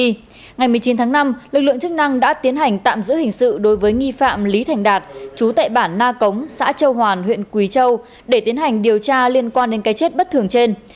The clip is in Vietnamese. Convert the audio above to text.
trước đó vào tối ngày một mươi chín tháng năm lực lượng chức năng đã tiến hành tạm giữ hình sự đối với nghi phạm lý thành đạt chú tệ bản na cống xã châu hoàn huyện quỳ châu để tiến hành điều tra liên quan đến cây chết bất thường trên